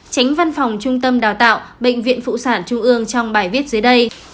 tránh văn phòng trung tâm đào tạo bệnh viện phụ sản trung ương trong bài viết dưới đây